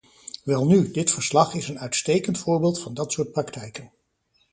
Welnu, dit verslag is een uitstekend voorbeeld van dat soort praktijken.